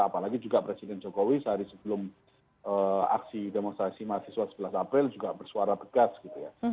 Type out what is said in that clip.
apalagi juga presiden jokowi sehari sebelum aksi demonstrasi mahasiswa sebelas april juga bersuara tegas gitu ya